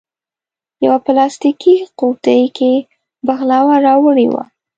یوه پلاستیکي قوتۍ کې بغلاوه راوړې وه.